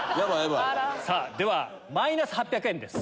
ではマイナス８００円です。